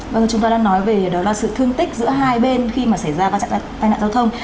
vâng chúng ta đã nói về đó là sự thương tích giữa hai bên khi mà xảy ra các tai nạn giao thông